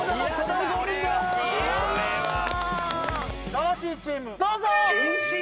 魂チームどうぞ。